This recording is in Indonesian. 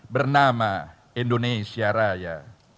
bernama indonesia raya